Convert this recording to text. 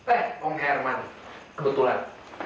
eh om herman kebetulan